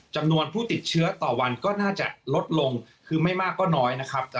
จำนวนผู้ติดเชื้อต่อวันก็น่าจะลดลงคือไม่มากก็น้อยนะครับ